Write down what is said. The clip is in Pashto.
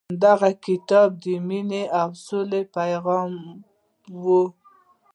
هغه کتاب د مینې او سولې پیغام و.